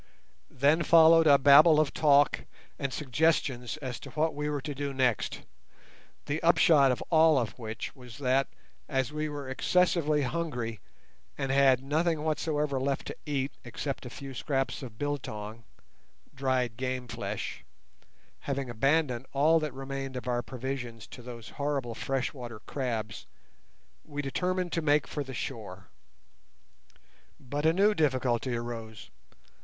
Then followed a babel of talk and suggestions as to what we were to do next, the upshot of all of which was that, as we were excessively hungry, and had nothing whatsoever left to eat except a few scraps of biltong (dried game flesh), having abandoned all that remained of our provisions to those horrible freshwater crabs, we determined to make for the shore. But a new difficulty arose.